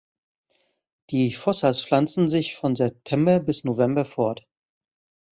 Die Fossas pflanzen sich von September bis November fort.